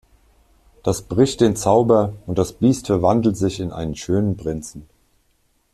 Das bricht den Zauber und das Biest verwandelt sich in einen schönen Prinzen.